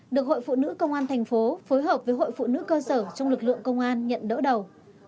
được hội phụ nữ công an thành phố phối hợp với hội phụ nữ cơ sở trong lực lượng công an nhận đỡ đầu